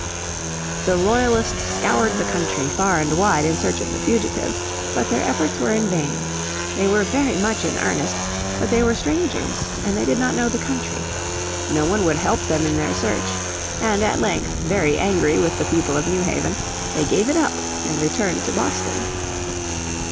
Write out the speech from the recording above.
The Royalists scoured the country far and wide in search of the fugitives. But their efforts were in vain. They were very much in earnest, but they were strangers, and they did not know the country. No one would help them in their search, and at length, very angry with the people of New Haven, they gave it up and returned to Boston.